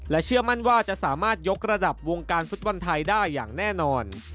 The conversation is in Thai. เชื่อมั่นว่าจะสามารถยกระดับวงการฟุตบอลไทยได้อย่างแน่นอน